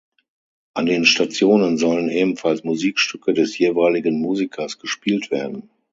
An den Stationen sollen ebenfalls Musikstücke des jeweiligen Musikers gespielt werden.